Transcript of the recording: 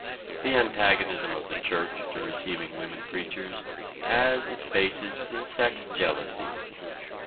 The antagonism of the church to receiving women preachers has its basis in sex jealousy.